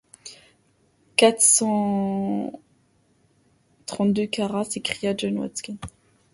Quatre cent trente-deux carats! s’écria John Watkins.